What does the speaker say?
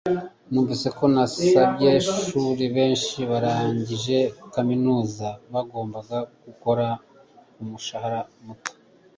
Numvise ko nabanyeshuri benshi barangije kaminuza bagomba gukora kumushahara muto